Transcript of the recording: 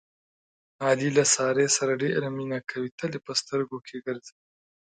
علي له سارې سره ډېره مینه کوي، تل یې په سترګو کې ګرځوي.